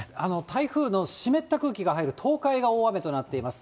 台風の湿った空気が入る東海が大雨となっています。